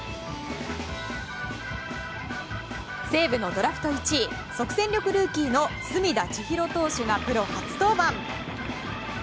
西武のドラフト１位即戦力ルーキーの隅田知一郎投手がプロ初登板。